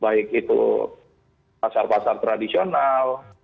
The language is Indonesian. baik itu pasar pasar tradisional